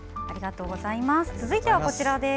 続いては、こちらです。